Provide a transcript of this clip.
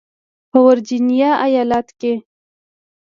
په ورجینیا ایالت کې